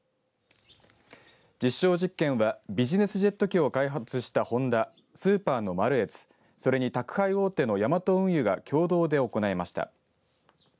実証実験はビジネスジェット機を開発した、ホンダスーパーのマルエツそれに宅配大手のヤマト運輸が共同で行いました。